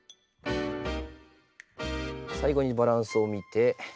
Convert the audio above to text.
最後にバランスを見て。